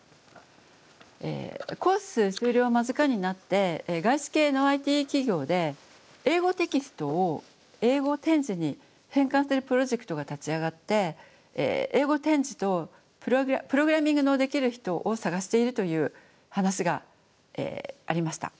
コース修了間近になって外資系のＩＴ企業で英語テキストを英語点字に変換するプロジェクトが立ち上がって英語点字とプログラミングのできる人を探しているという話がありました。